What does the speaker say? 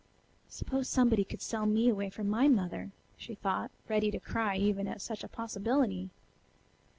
"Suppose somebody could sell me away from my mother," she thought, ready to cry even at such a possibility.